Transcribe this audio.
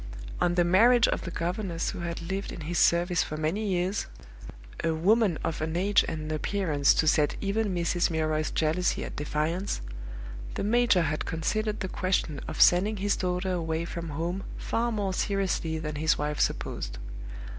On the marriage of the governess who had lived in his service for many years (a woman of an age and an appearance to set even Mrs. Milroy's jealousy at defiance), the major had considered the question of sending his daughter away from home far more seriously than his wife supposed.